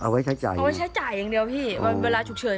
เอาไว้ใช้จ่ายอย่างเดียวพี่เพราะว่าเวลาฉุกเฉิน